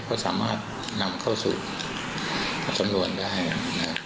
ก็สามารถนำเข้าสู่สำนวนได้นะ